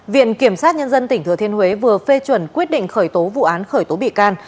viện kiểm sát nhân dân tỉnh thừa thiên huế vừa phê chuẩn quyết định khởi tố vụ án khởi tố bị can